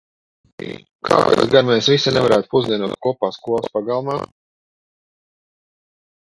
Hei, kāpēc gan mēs visi nevarētu pusdienot kopā skolas pagalma?